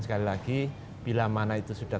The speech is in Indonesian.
sekali lagi bila mana itu sudah